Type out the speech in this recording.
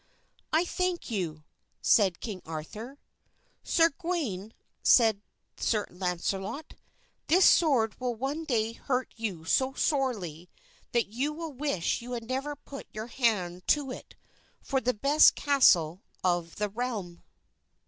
"I thank you," said King Arthur. "Sir Gawain," said Sir Launcelot, "this sword will one day hurt you so sorely that you will wish you had never put your hand to it for the best castle of the realm."